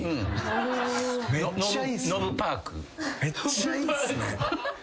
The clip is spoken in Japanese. めっちゃいいっすね。